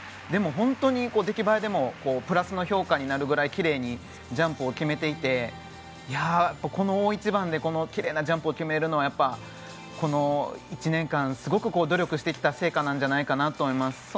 でも、本当に出来栄えでもプラスの評価になるくらいきれいにジャンプを決めていて、この大一番できれいなジャンプを決めるのはやっぱり１年間すごく努力してきた成果なんじゃないかなと思います。